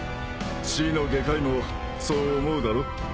死の外科医もそう思うだろ？